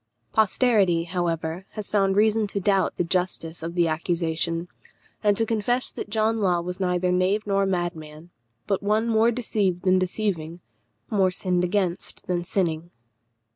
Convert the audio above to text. Posterity, however, has found reason to doubt the justice of the accusation, and to confess that John Law was neither knave nor madman, but one more deceived than deceiving, more sinned against than sinning.